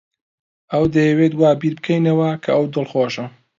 ئەو دەیەوێت وا بیر بکەینەوە کە ئەو دڵخۆشە.